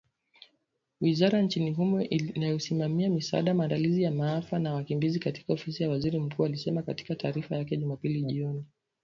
Wizara nchini humo inayosimamia misaada, maandalizi ya maafa na wakimbizi katika Ofisi ya Waziri Mkuu ilisema katika taarifa yake Jumapili jioni